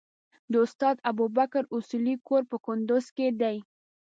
د استاد ابوبکر اصولي کور په کندوز کې دی.